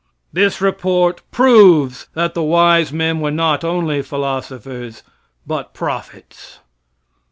This report proves that the wise men were not only philosophers, but prophets.